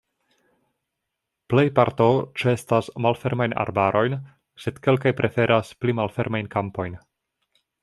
Plej parto ĉeestas malfermajn arbarojn, sed kelkaj preferas pli malfermajn kampojn.